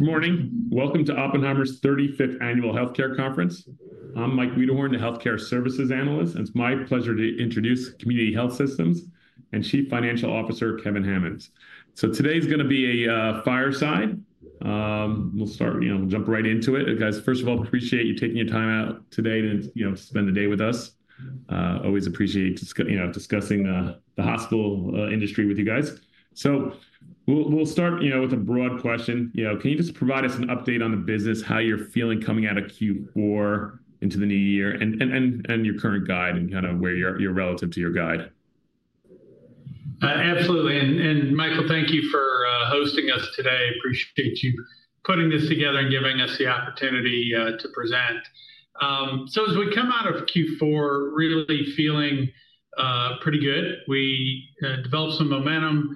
Good morning. Welcome to Oppenheimer's 35th annual healthcare conference. I'm Mike Wiederhorn, the Healthcare Services Analyst, and it's my pleasure to introduce Community Health Systems and Chief Financial Officer Kevin Hammons. Today's going to be a fireside. We'll start, you know, jump right into it. Guys, first of all, appreciate you taking your time out today to, you know, spend the day with us. Always appreciate, you know, discussing the hospital industry with you guys. We'll start, you know, with a broad question. You know, can you just provide us an update on the business, how you're feeling coming out of Q4 into the new year and your current guide and kind of where you're relative to your guide? Absolutely. Michael, thank you for hosting us today. Appreciate you putting this together and giving us the opportunity to present. As we come out of Q4, really feeling pretty good. We developed some momentum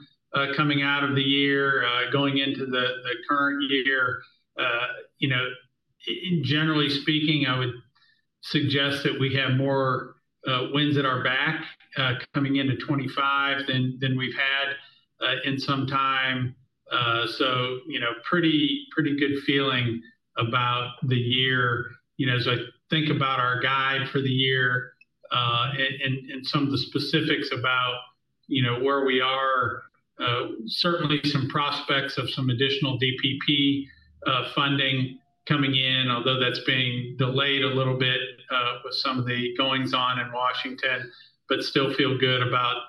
coming out of the year, going into the current year. You know, generally speaking, I would suggest that we have more winds at our back coming into 2025 than we've had in some time. You know, pretty good feeling about the year. You know, as I think about our guide for the year and some of the specifics about, you know, where we are, certainly some prospects of some additional DPP funding coming in, although that's being delayed a little bit with some of the goings-on in Washington, but still feel good about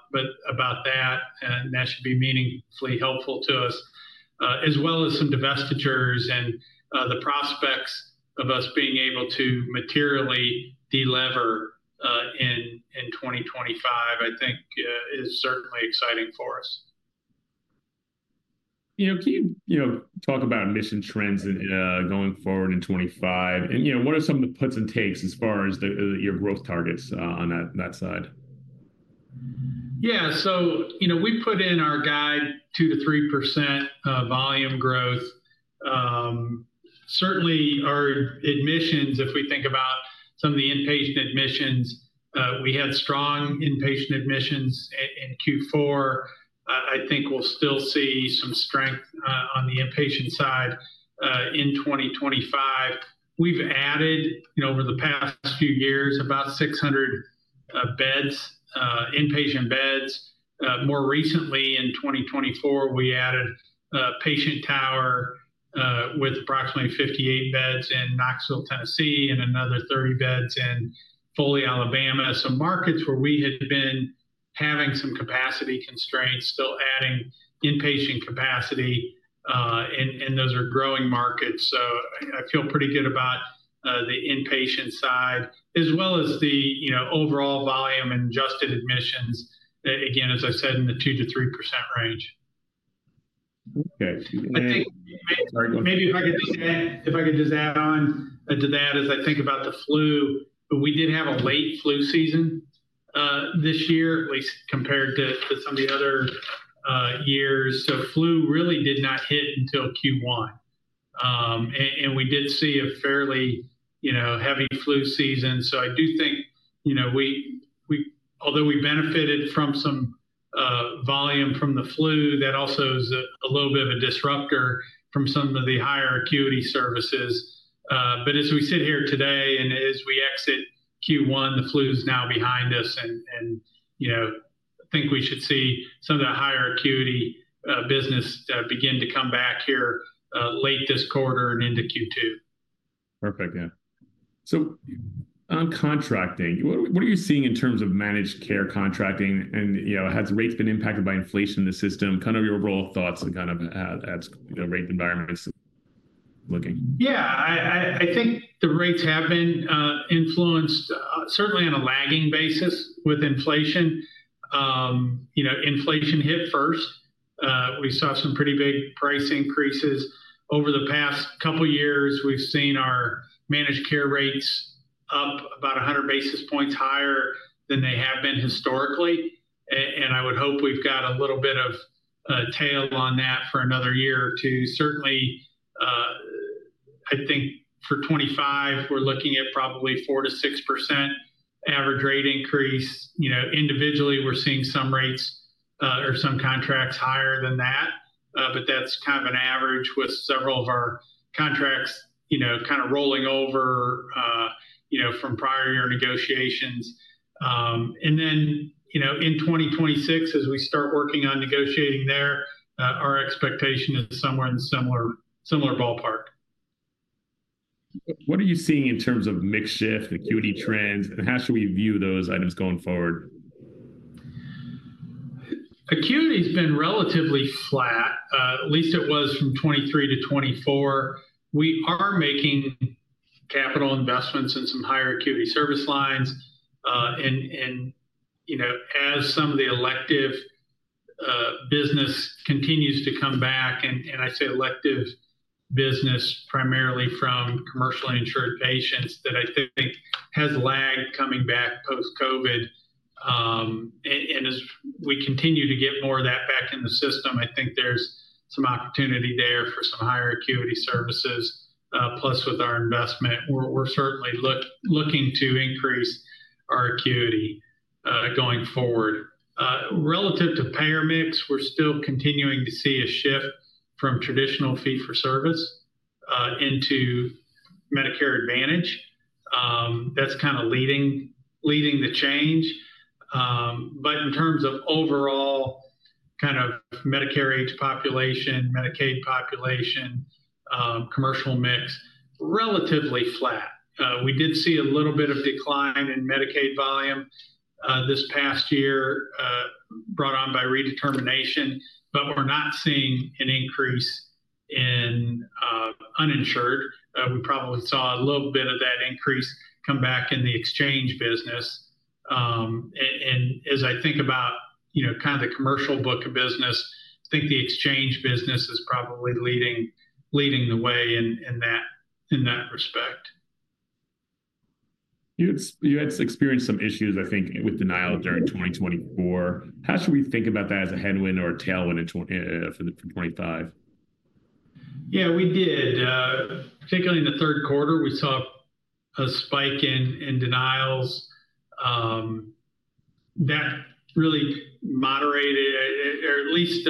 that, and that should be meaningfully helpful to us, as well as some divestitures and the prospects of us being able to materially deliver in 2025, I think is certainly exciting for us. You know, can you, you know, talk about mission trends going forward in 2025? You know, what are some of the puts and takes as far as your growth targets on that side? Yeah. So, you know, we put in our guide 2%-3% volume growth. Certainly our admissions, if we think about some of the inpatient admissions, we had strong inpatient admissions in Q4. I think we'll still see some strength on the inpatient side in 2025. We've added, you know, over the past few years about 600 beds, inpatient beds. More recently in 2024, we added patient tower with approximately 58 beds in Knoxville, Tennessee, and another 30 beds in Foley, Alabama. Markets where we had been having some capacity constraints, still adding inpatient capacity, and those are growing markets. I feel pretty good about the inpatient side, as well as the, you know, overall volume and adjusted admissions, again, as I said, in the 2%-3% range. Okay. I think maybe if I could just add, if I could just add on to that as I think about the flu, we did have a late flu season this year, at least compared to some of the other years. Flu really did not hit until Q1. We did see a fairly, you know, heavy flu season. I do think, you know, although we benefited from some volume from the flu, that also is a little bit of a disruptor from some of the higher acuity services. As we sit here today and as we exit Q1, the flu is now behind us, and, you know, I think we should see some of that higher acuity business begin to come back here late this quarter and into Q2. Perfect. Yeah. On contracting, what are you seeing in terms of managed care contracting? And, you know, has rates been impacted by inflation in the system? Kind of your overall thoughts and kind of at rate environments looking? Yeah, I think the rates have been influenced certainly on a lagging basis with inflation. You know, inflation hit first. We saw some pretty big price increases. Over the past couple of years, we've seen our managed care rates up about 100 basis points higher than they have been historically. I would hope we've got a little bit of tail on that for another year or two. Certainly, I think for 2025, we're looking at probably 4%-6% average rate increase. You know, individually, we're seeing some rates or some contracts higher than that, but that's kind of an average with several of our contracts, you know, kind of rolling over, you know, from prior year negotiations. In 2026, as we start working on negotiating there, our expectation is somewhere in a similar ballpark. What are you seeing in terms of mix shift, acuity trends, and how should we view those items going forward? Acuity has been relatively flat, at least it was from 2023 to 2024. We are making capital investments in some higher acuity service lines. You know, as some of the elective business continues to come back, and I say elective business primarily from commercially insured patients that I think has lagged coming back post-COVID. As we continue to get more of that back in the system, I think there's some opportunity there for some higher acuity services, plus with our investment, we're certainly looking to increase our acuity going forward. Relative to payer mix, we're still continuing to see a shift from traditional fee-for-service into Medicare Advantage. That's kind of leading the change. In terms of overall kind of Medicare age population, Medicaid population, commercial mix, relatively flat. We did see a little bit of decline in Medicaid volume this past year brought on by redetermination, but we're not seeing an increase in uninsured. We probably saw a little bit of that increase come back in the exchange business. And as I think about, you know, kind of the commercial book of business, I think the exchange business is probably leading the way in that respect. You had experienced some issues, I think, with denial during 2024. How should we think about that as a headwind or a tailwind for 2025? Yeah, we did. Particularly in the third quarter, we saw a spike in denials. That really moderated, or at least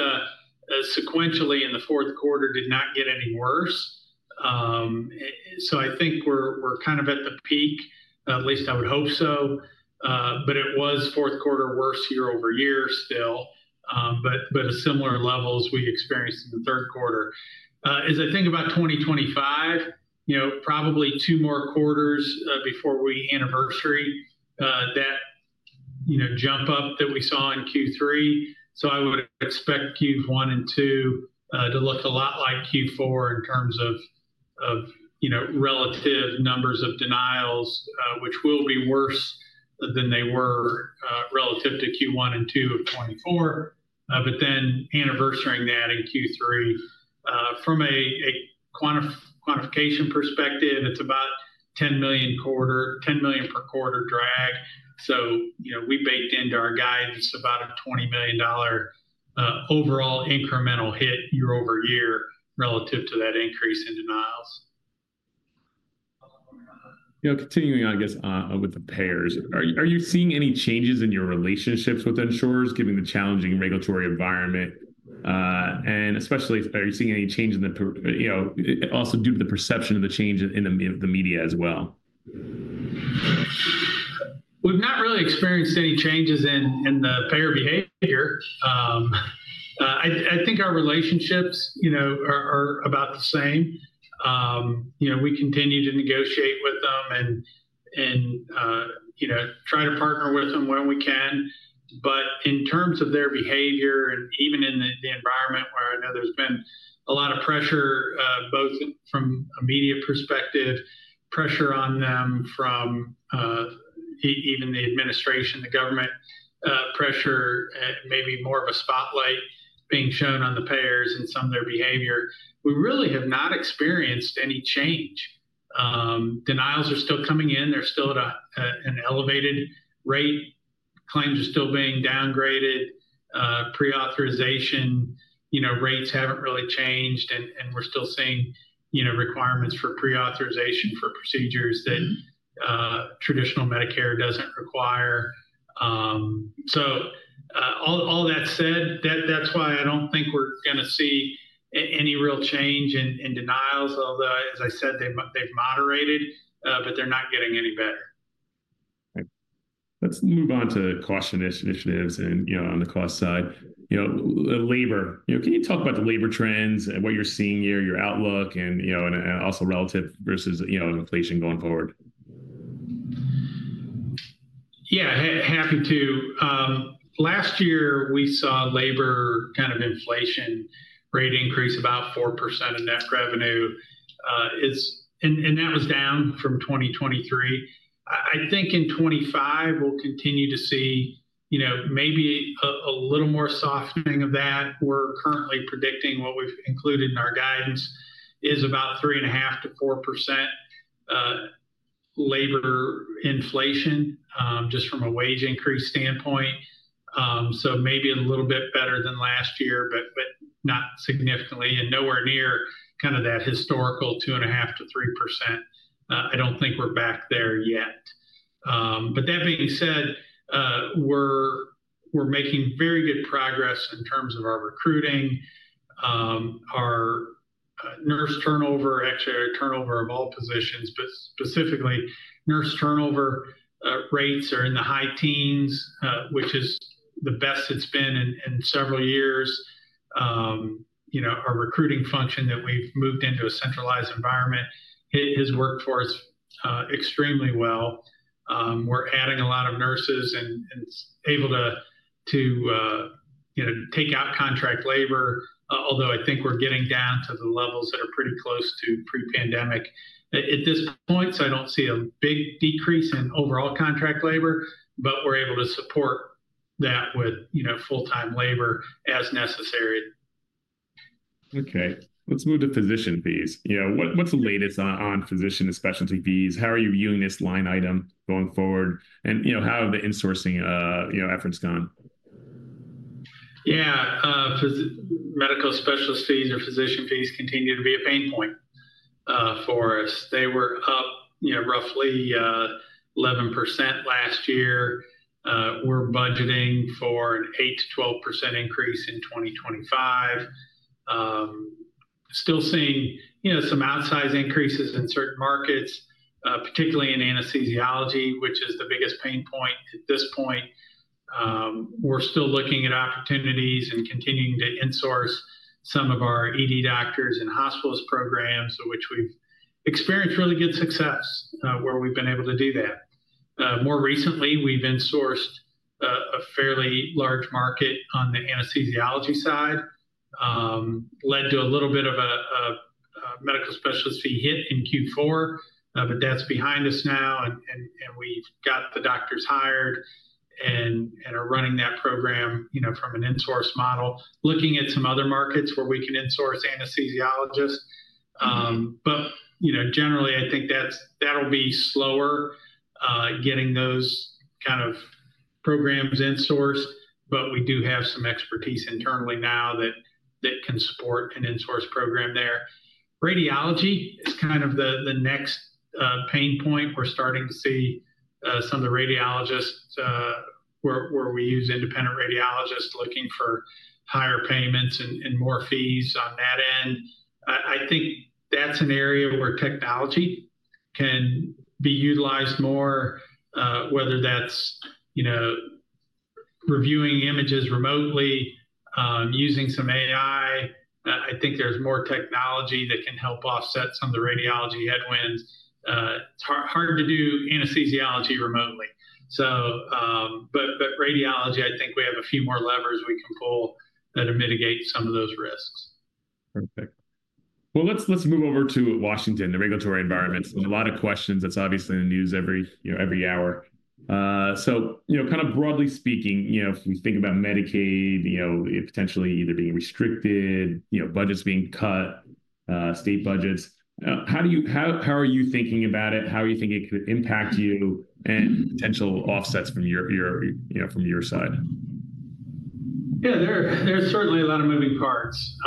sequentially in the fourth quarter, did not get any worse. I think we're kind of at the peak, at least I would hope so. It was fourth quarter worse year over year still, but at similar levels we experienced in the third quarter. As I think about 2025, you know, probably two more quarters before we anniversary that, you know, jump up that we saw in Q3. I would expect Q1 and Q2 to look a lot like Q4 in terms of, you know, relative numbers of denials, which will be worse than they were relative to Q1 and Q2 of 2024. Then anniversary that in Q3. From a quantification perspective, it's about $10 million per quarter drag. You know, we baked into our guide just about a $20 million overall incremental hit year over year relative to that increase in denials. You know, continuing, I guess, with the payers, are you seeing any changes in your relationships with insurers given the challenging regulatory environment? You know, especially, are you seeing any change in the, you know, also due to the perception of the change in the media as well? We've not really experienced any changes in the payer behavior. I think our relationships, you know, are about the same. You know, we continue to negotiate with them and, you know, try to partner with them when we can. In terms of their behavior, and even in the environment where I know there's been a lot of pressure, both from a media perspective, pressure on them from even the administration, the government pressure, maybe more of a spotlight being shown on the payers and some of their behavior, we really have not experienced any change. Denials are still coming in. They're still at an elevated rate. Claims are still being downgraded. Pre-authorization, you know, rates haven't really changed, and we're still seeing, you know, requirements for pre-authorization for procedures that traditional Medicare doesn't require. All that said, that's why I don't think we're going to see any real change in denials, although, as I said, they've moderated, but they're not getting any better. Let's move on to cost initiatives and, you know, on the cost side. You know, labor, you know, can you talk about the labor trends and what you're seeing here, your outlook, and, you know, and also relative versus, you know, inflation going forward? Yeah, happy to. Last year, we saw labor kind of inflation rate increase about 4% of net revenue. That was down from 2023. I think in 2025, we'll continue to see, you know, maybe a little more softening of that. We're currently predicting what we've included in our guidance is about 3.5%-4% labor inflation just from a wage increase standpoint. Maybe a little bit better than last year, but not significantly and nowhere near kind of that historical 2.5%-3%. I don't think we're back there yet. That being said, we're making very good progress in terms of our recruiting. Our nurse turnover, actually our turnover of all positions, but specifically nurse turnover rates are in the high teens, which is the best it's been in several years. You know, our recruiting function that we've moved into a centralized environment has worked for us extremely well. We're adding a lot of nurses and able to, you know, take out contract labor, although I think we're getting down to the levels that are pretty close to pre-pandemic. At this point, I don't see a big decrease in overall contract labor, but we're able to support that with, you know, full-time labor as necessary. Okay. Let's move to physician fees. You know, what's the latest on physician and specialty fees? How are you viewing this line item going forward? You know, how have the insourcing, you know, efforts gone? Yeah, medical specialist fees and physician fees continue to be a pain point for us. They were up, you know, roughly 11% last year. We're budgeting for an 8%-12% increase in 2025. Still seeing, you know, some outsize increases in certain markets, particularly in anesthesiology, which is the biggest pain point at this point. We're still looking at opportunities and continuing to insource some of our ED doctors and hospitals programs, which we've experienced really good success where we've been able to do that. More recently, we've insourced a fairly large market on the anesthesiology side. Led to a little bit of a medical specialist fee hit in Q4, but that's behind us now. We've got the doctors hired and are running that program, you know, from an insource model, looking at some other markets where we can insource anesthesiologists. You know, generally, I think that'll be slower getting those kind of programs insourced, but we do have some expertise internally now that can support an insource program there. Radiology is kind of the next pain point. We're starting to see some of the radiologists where we use independent radiologists looking for higher payments and more fees on that end. I think that's an area where technology can be utilized more, whether that's, you know, reviewing images remotely, using some AI. I think there's more technology that can help offset some of the radiology headwinds. Hard to do anesthesiology remotely. Radiology, I think we have a few more levers we can pull that mitigate some of those risks. Perfect. Let's move over to Washington, the regulatory environment. A lot of questions. That's obviously in the news every hour. You know, kind of broadly speaking, you know, if we think about Medicaid, you know, potentially either being restricted, you know, budgets being cut, state budgets, how are you thinking about it? How are you thinking it could impact you and potential offsets from your, you know, from your side? Yeah, there's certainly a lot of moving parts.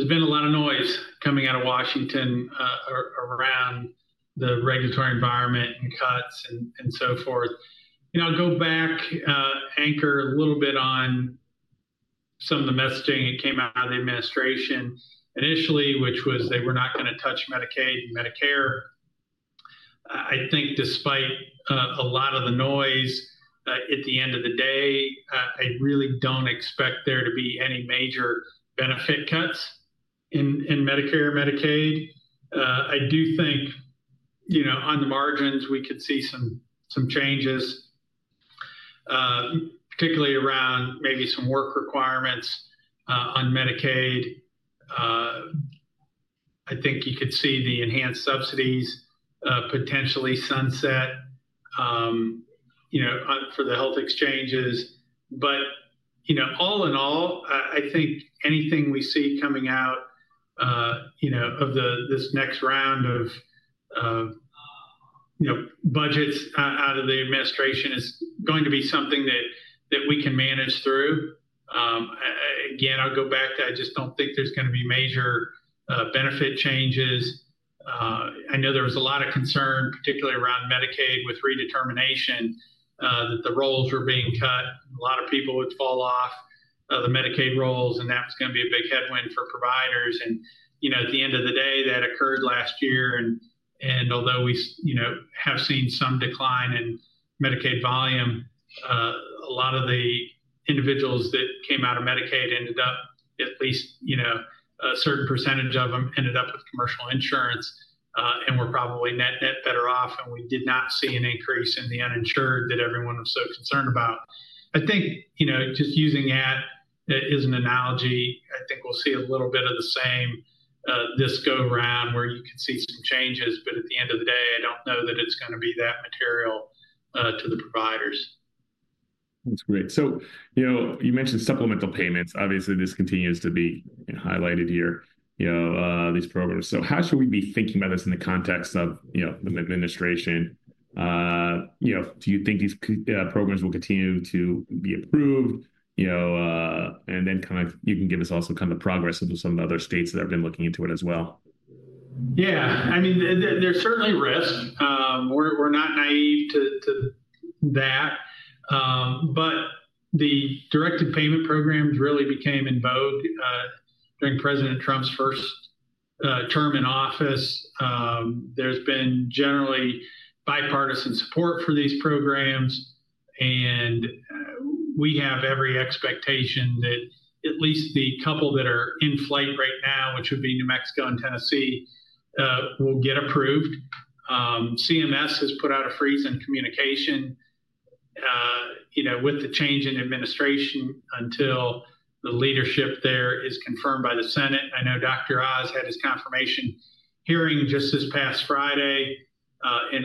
There's been a lot of noise coming out of Washington, D.C. around the regulatory environment and cuts and so forth. I'll go back, anchor a little bit on some of the messaging that came out of the administration initially, which was they were not going to touch Medicaid and Medicare. I think despite a lot of the noise, at the end of the day, I really don't expect there to be any major benefit cuts in Medicare and Medicaid. I do think, you know, on the margins, we could see some changes, particularly around maybe some work requirements on Medicaid. I think you could see the enhanced subsidies potentially sunset, you know, for the health exchanges. You know, all in all, I think anything we see coming out, you know, of this next round of, you know, budgets out of the administration is going to be something that we can manage through. Again, I'll go back to I just don't think there's going to be major benefit changes. I know there was a lot of concern, particularly around Medicaid with redetermination, that the roles were being cut. A lot of people would fall off the Medicaid roles, and that was going to be a big headwind for providers. You know, at the end of the day, that occurred last year. Although we, you know, have seen some decline in Medicaid volume, a lot of the individuals that came out of Medicaid ended up, at least, you know, a certain percentage of them ended up with commercial insurance and were probably net better off. We did not see an increase in the uninsured that everyone was so concerned about. I think, you know, just using that as an analogy, I think we'll see a little bit of the same this go round where you can see some changes. At the end of the day, I don't know that it's going to be that material to the providers. That's great. You know, you mentioned supplemental payments. Obviously, this continues to be highlighted here, you know, these programs. How should we be thinking about this in the context of, you know, the administration? You know, do you think these programs will continue to be approved, you know, and then kind of you can give us also kind of the progress of some of the other states that have been looking into it as well? Yeah, I mean, there's certainly risk. We're not naive to that. The directed payment programs really became in vogue during President Trump's first term in office. There's been generally bipartisan support for these programs. We have every expectation that at least the couple that are in flight right now, which would be New Mexico and Tennessee, will get approved. CMS has put out a freeze on communication, you know, with the change in administration until the leadership there is confirmed by the Senate. I know Dr. Oz had his confirmation hearing just this past Friday.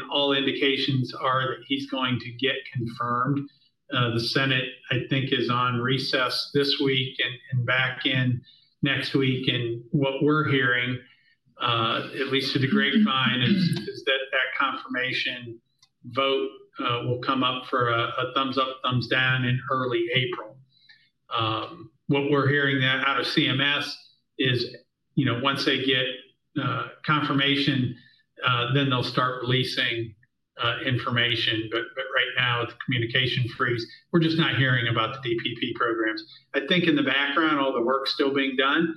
All indications are that he's going to get confirmed. The Senate, I think, is on recess this week and back in next week. What we're hearing, at least through the grapevine, is that that confirmation vote will come up for a thumbs up, thumbs down in early April. What we're hearing out of CMS is, you know, once they get confirmation, then they'll start releasing information. Right now, it's a communication freeze. We're just not hearing about the DPP programs. I think in the background, all the work is still being done.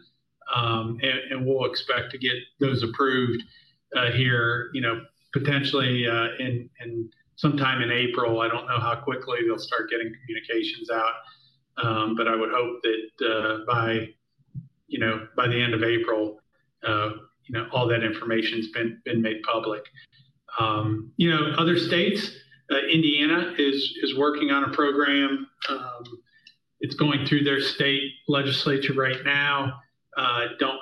We'll expect to get those approved here, you know, potentially sometime in April. I don't know how quickly they'll start getting communications out. I would hope that by, you know, by the end of April, you know, all that information has been made public. You know, other states, Indiana is working on a program. It's going through their state legislature right now. Don't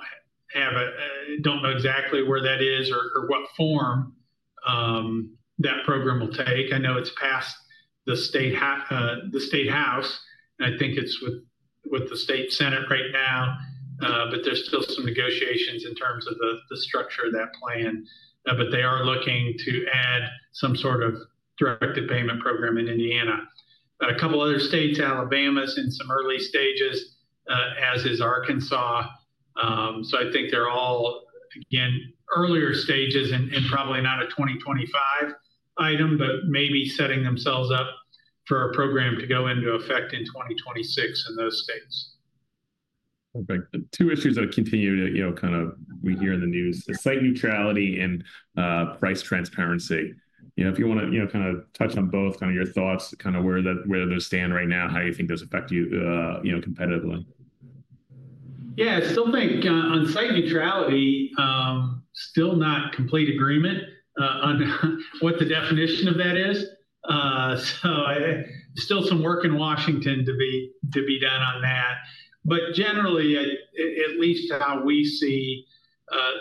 know exactly where that is or what form that program will take. I know it's passed the state house. I think it's with the state Senate right now. There are still some negotiations in terms of the structure of that plan. They are looking to add some sort of directed payment program in Indiana. A couple of other states, Alabama is in some early stages, as is Arkansas. I think they are all, again, earlier stages and probably not a 2025 item, but maybe setting themselves up for a program to go into effect in 2026 in those states. Perfect. Two issues that continue, you know, kind of we hear in the news, the site neutrality and price transparency. You know, if you want to, you know, kind of touch on both, kind of your thoughts, kind of where they stand right now, how you think those affect you, you know, competitively. Yeah, I still think on site neutrality, still not complete agreement on what the definition of that is. Still some work in Washington to be done on that. Generally, at least how we see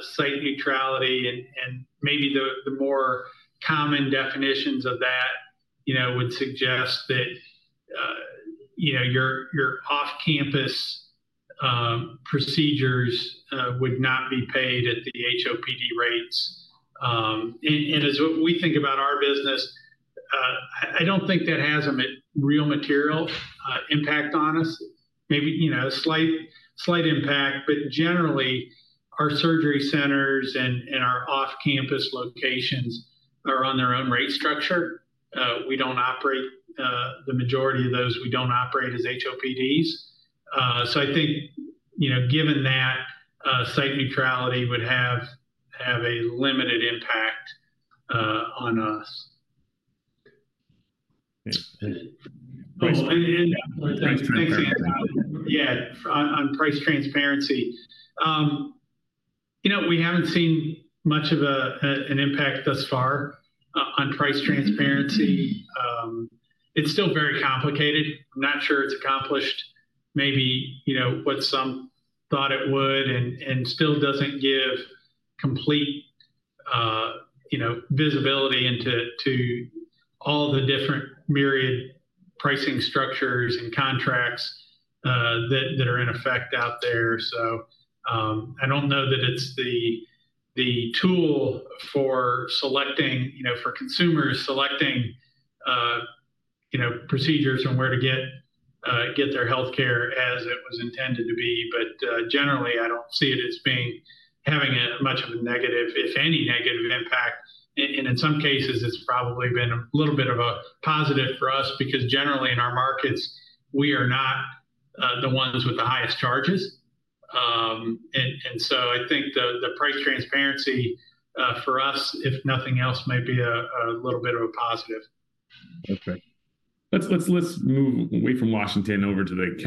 site neutrality and maybe the more common definitions of that, you know, would suggest that, you know, your off-campus procedures would not be paid at the HOPD rates. As we think about our business, I do not think that has a real material impact on us. Maybe, you know, a slight impact. Generally, our surgery centers and our off-campus locations are on their own rate structure. We do not operate the majority of those. We do not operate as HOPDs. I think, you know, given that, site neutrality would have a limited impact on us. Thanks. Yeah, on price transparency. You know, we haven't seen much of an impact thus far on price transparency. It's still very complicated. I'm not sure it's accomplished maybe, you know, what some thought it would and still doesn't give complete, you know, visibility into all the different myriad pricing structures and contracts that are in effect out there. I don't know that it's the tool for selecting, you know, for consumers selecting, you know, procedures and where to get their healthcare as it was intended to be. Generally, I don't see it as having much of a negative, if any negative impact. In some cases, it's probably been a little bit of a positive for us because generally in our markets, we are not the ones with the highest charges. I think the price transparency for us, if nothing else, may be a little bit of a positive. Okay. Let's move away from Washington over to the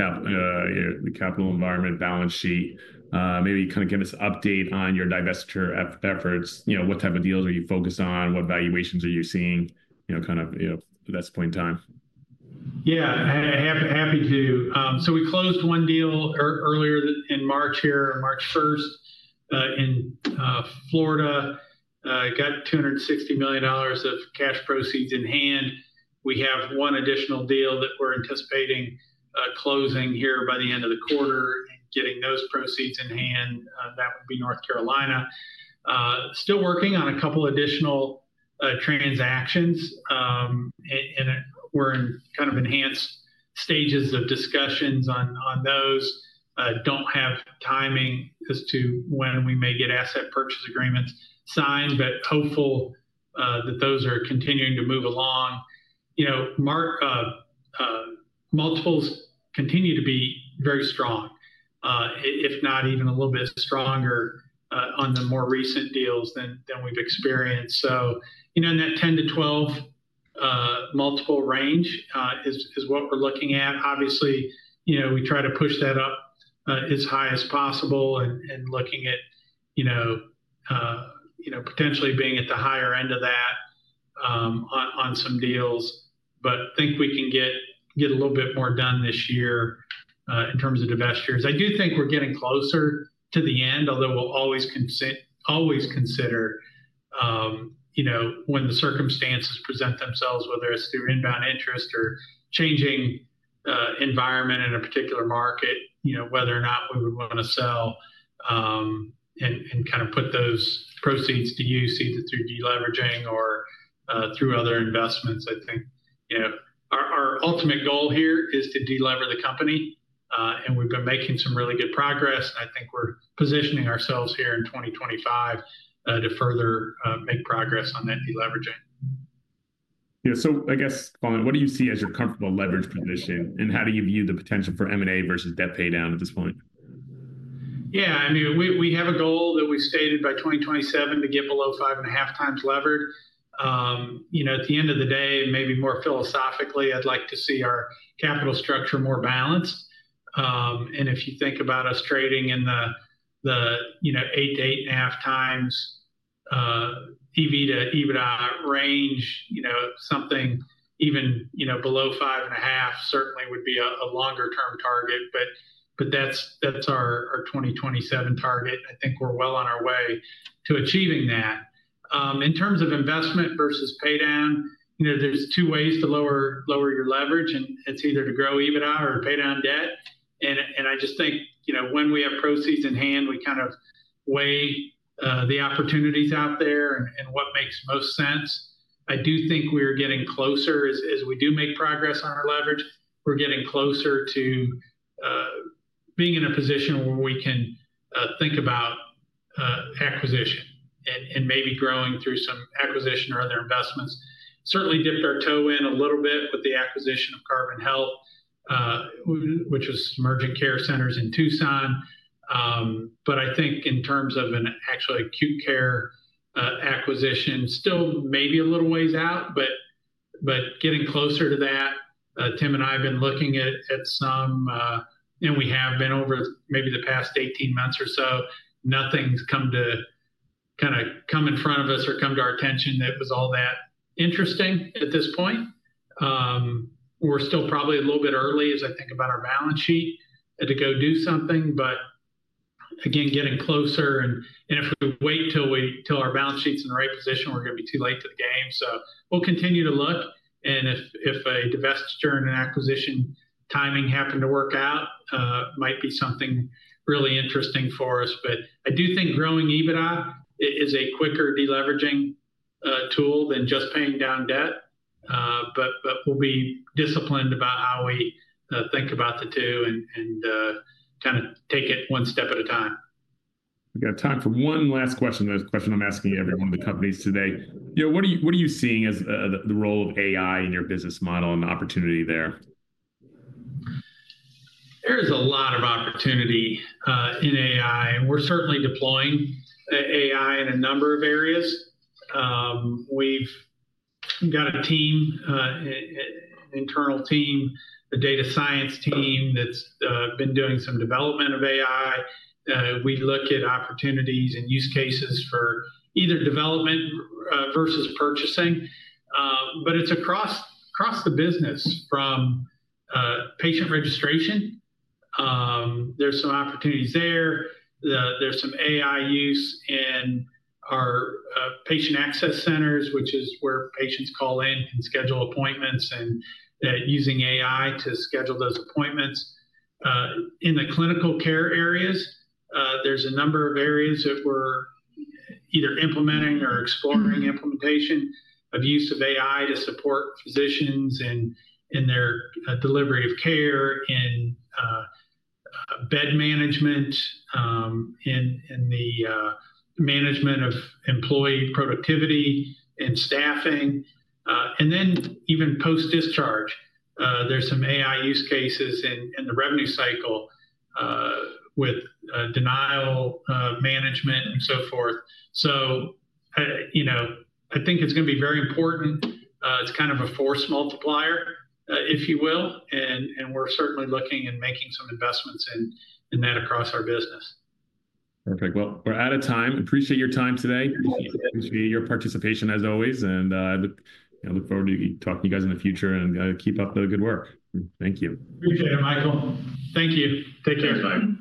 capital environment balance sheet. Maybe kind of give us an update on your divestiture efforts. You know, what type of deals are you focused on? What valuations are you seeing, you know, kind of, you know, at this point in time? Yeah, happy to. We closed one deal earlier in March here, March 1 in Florida. Got $260 million of cash proceeds in hand. We have one additional deal that we're anticipating closing here by the end of the quarter and getting those proceeds in hand. That would be North Carolina. Still working on a couple of additional transactions. We're in kind of enhanced stages of discussions on those. Do not have timing as to when we may get asset purchase agreements signed, but hopeful that those are continuing to move along. You know, multiples continue to be very strong, if not even a little bit stronger on the more recent deals than we've experienced. You know, in that 10-12 multiple range is what we're looking at. Obviously, you know, we try to push that up as high as possible and looking at, you know, potentially being at the higher end of that on some deals. I think we can get a little bit more done this year in terms of divestitures. I do think we're getting closer to the end, although we'll always consider, you know, when the circumstances present themselves, whether it's through inbound interest or changing environment in a particular market, you know, whether or not we would want to sell and kind of put those proceeds to use either through deleveraging or through other investments. I think, you know, our ultimate goal here is to delever the company. And we've been making some really good progress. I think we're positioning ourselves here in 2025 to further make progress on that deleveraging. Yeah. I guess, Kevin, what do you see as your comfortable leverage position? How do you view the potential for M&A versus debt pay down at this point? Yeah, I mean, we have a goal that we stated by 2027 to get below five and a half times levered. You know, at the end of the day, maybe more philosophically, I'd like to see our capital structure more balanced. If you think about us trading in the, you know, 8x-8.5x EV to EBITDA range, you know, something even, you know, below 5.5 certainly would be a longer-term target. That is our 2027 target. I think we're well on our way to achieving that. In terms of investment versus pay down, you know, there are two ways to lower your leverage. It is either to grow EBITDA or pay down debt. I just think, you know, when we have proceeds in hand, we kind of weigh the opportunities out there and what makes most sense. I do think we are getting closer as we do make progress on our leverage. We're getting closer to being in a position where we can think about acquisition and maybe growing through some acquisition or other investments. Certainly dipped our toe in a little bit with the acquisition of Carbon Health, which urgent care centers in Tucson. I think in terms of an actual acute care acquisition, still maybe a little ways out. Getting closer to that, Tim and I have been looking at some, and we have been over maybe the past 18 months or so. Nothing's come to kind of come in front of us or come to our attention that was all that interesting at this point. We're still probably a little bit early as I think about our balance sheet to go do something. Again, getting closer. If we wait till our balance sheet's in the right position, we're going to be too late to the game. We will continue to look. If a divestiture and an acquisition timing happened to work out, it might be something really interesting for us. I do think growing EBITDA is a quicker deleveraging tool than just paying down debt. We will be disciplined about how we think about the 2 and kind of take it one step at a time. We've got time for one last question. The question I'm asking every one of the companies today. You know, what are you seeing as the role of AI in your business model and opportunity there? There is a lot of opportunity in AI. We're certainly deploying AI in a number of areas. We've got a team, an internal team, a data science team that's been doing some development of AI. We look at opportunities and use cases for either development versus purchasing. It is across the business from patient registration. There are some opportunities there. There is some AI use in our patient access centers, which is where patients call in and schedule appointments and using AI to schedule those appointments. In the clinical care areas, there are a number of areas that we're either implementing or exploring implementation of use of AI to support physicians in their delivery of care, in bed management, in the management of employee productivity and staffing. Even post-discharge, there are some AI use cases in the revenue cycle with denial management and so forth. You know, I think it's going to be very important. It's kind of a force multiplier, if you will. We're certainly looking and making some investments in that across our business. Perfect. We are out of time. Appreciate your time today. Appreciate your participation as always. I look forward to talking to you guys in the future and keep up the good work. Thank you. Appreciate it, Michael. Thank you. Take care. Thanks, Mike.